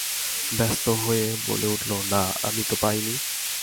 ব্যস্ত হয়ে বলে উঠল, না, আমি তো পাই নি!